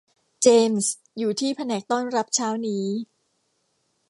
เจมส์ อยู่ที่แผนกต้อนรับเช้านี้